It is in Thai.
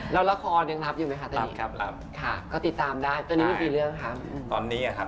แล้วละครยังรับอยู่ไหมคะตอนนี้ค่ะก็ติดตามได้ตอนนี้ไม่มีเรื่องครับอืม